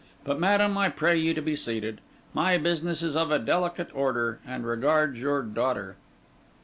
But, madam, I pray you to be seated. My business is of a delicate order, and regards your daughter.